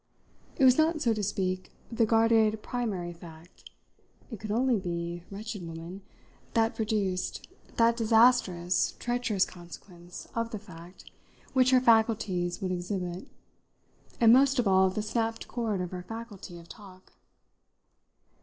It was not, so to speak, the guarded primary fact it could only be, wretched woman, that produced, that disastrous, treacherous consequence of the fact which her faculties would exhibit, and most of all the snapped cord of her faculty of talk.